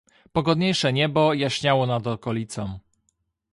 "Pogodniejsze niebo jaśniało nad okolicą."